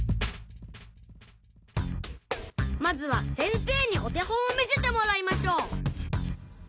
まずは先生にお手本を見せてもらいましょう